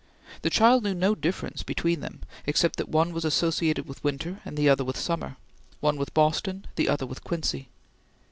The child knew no difference between them except that one was associated with winter and the other with summer; one with Boston, the other with Quincy.